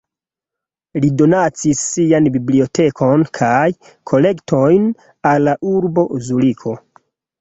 Li donacis sian bibliotekon kaj kolektojn al la urbo Zuriko.